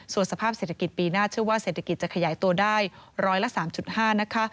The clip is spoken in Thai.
ส่วนสภาพเศรษฐกิจปีหน้าเชื่อว่าเศรษฐกิจจะขยายตัวได้ร้อยละ๓๕นะคะ